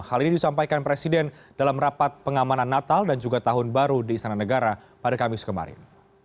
hal ini disampaikan presiden dalam rapat pengamanan natal dan juga tahun baru di istana negara pada kamis kemarin